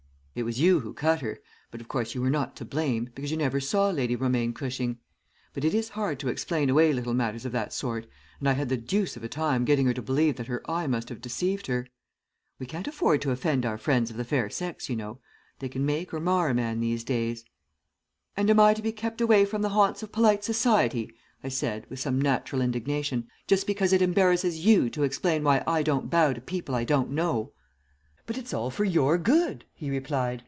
It was you who cut her, but, of course, you were not to blame, because you never saw Lady Romaine Cushing; but it is hard to explain away little matters of that sort, and I had the deuce of a time getting her to believe that her eye must have deceived her. We can't afford to offend our friends of the fair sex, you know; they can make or mar a man these days.' "'And I am to be kept away from the haunts of polite society,' I said, with some natural indignation, 'just because it embarrasses you to explain why I don't bow to people I don't know.' "'But it's all for your good,' he replied.